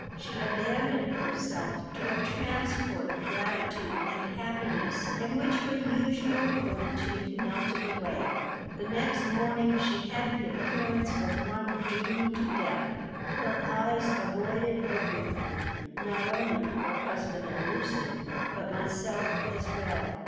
She abandoned herself to a transport of gratitude and happiness in which her usual fortitude melted away The next morning she had the appearance of one doomed to death. Her eyes avoided everybody, not only her husband and Lucy, but myself as well.